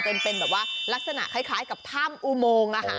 เป็นแบบว่าลักษณะคล้ายกับถ้ำอุโมง